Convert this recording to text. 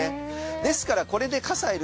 ですからこれで傘いる？